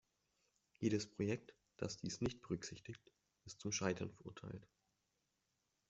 Jedes Projekt, das dies nicht berücksichtigt, ist zum Scheitern verurteilt.